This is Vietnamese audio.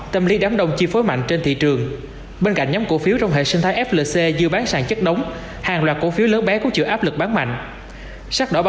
tâm lý lo ngại đã khiến nhà đầu tư bán tháo cổ phiếu họ flc